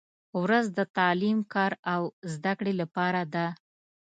• ورځ د تعلیم، کار او زدهکړې لپاره ده.